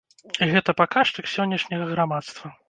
Гэта паказчык сённяшняга грамадства.